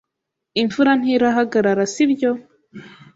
Imvura ntirahagarara, sibyo?